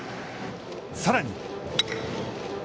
さらに。